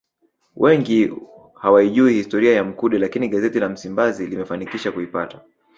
Wengi hawaijui historia ya Mkude lakini gazeti la Msimbazi limefanikisha kuipata